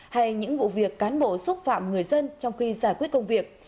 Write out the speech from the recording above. hay những vụ việc cán bộ xúc phạm người dân trong khi giải quyết công việc